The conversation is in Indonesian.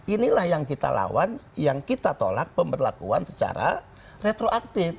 inilah yang kita lawan yang kita tolak pemberlakuan secara retroaktif